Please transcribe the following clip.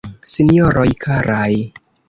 Sinjoroj, karaj!